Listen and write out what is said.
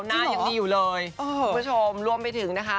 จริงเหรอจริงอยู่เลยคุณผู้ชมร่วมไปถึงนะคะ